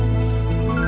saya akan datang ke sini